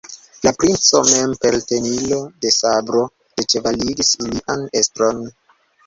La princo mem per tenilo de sabro deĉevaligis ilian estron.